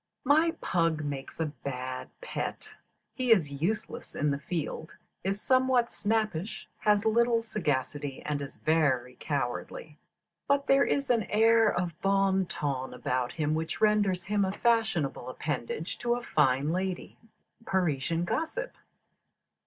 "My pug makes a bad pet; he is useless in the field, is somewhat snappish, has little sagacity, and is very cowardly: but there is an air of bon ton about him which renders him a fashionable appendage to a fine lady." _Parisian Gossip.